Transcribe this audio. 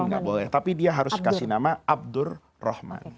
tidak boleh tapi dia harus dikasih nama abdurrahman